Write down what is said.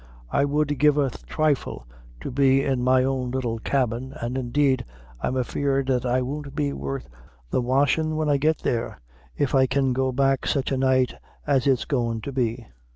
I would give a thrifle to be in my own little cabin, an' indeed I'm afeard that I won't be worth the washin' when I get there, if I can go back sich a night as it's goin' to be."